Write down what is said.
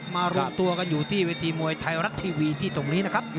รวมตัวกันอยู่ที่เวทีมวยไทยรัฐทีวีที่ตรงนี้นะครับ